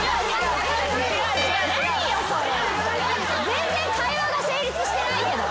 全然会話が成立してないけど。